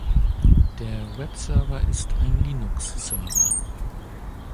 Der Webserver ist ein Linux-Server.